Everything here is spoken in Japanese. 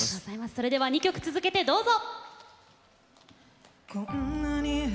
それでは２曲続けてどうぞ！